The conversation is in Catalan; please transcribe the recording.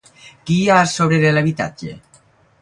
Qui hi ha a sobre de l'habitatge?